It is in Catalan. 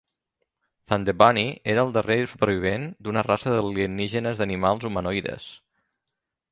Thunderbunny era el darrer supervivent d'una raça d'alienígenes d'animals humanoides.